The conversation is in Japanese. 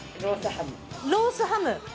ロースハム。